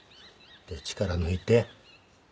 力抜いて。